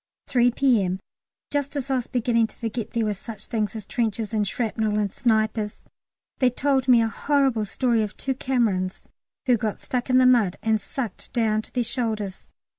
3 P.M. Just as I was beginning to forget there were such things as trenches and shrapnel and snipers, they told me a horrible story of two Camerons who got stuck in the mud and sucked down to their shoulders.